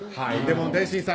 天心さん